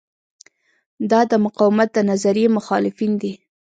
دا د مقاومت د نظریې مخالفین دي.